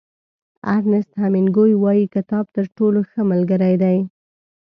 ارنیست هېمېنګوی وایي کتاب تر ټولو ښه ملګری دی.